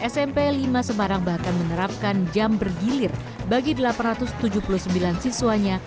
smp lima semarang bahkan menerapkan jam bergilir bagi delapan ratus tujuh puluh sembilan siswanya